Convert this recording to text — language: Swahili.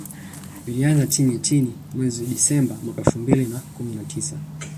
Vilianzia nchini China mwezi Disemba mwaka elfu mbili na kumi na tisa